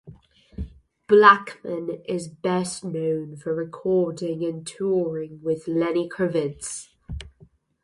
Blackman is best known for recording and touring with Lenny Kravitz.